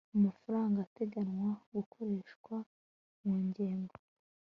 Amafaranga ateganywa gukoreshwa mu ngengo